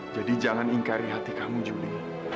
jadi jangan ingkari hati kamu yudi